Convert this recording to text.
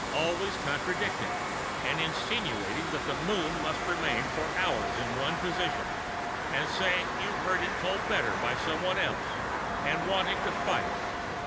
Always contradicting and insinuating that the moon must remain for hours in one position and saying you've heard it told better by some one else and wanting to fight!